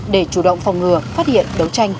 để chủ động phòng ngừa phát hiện đấu tranh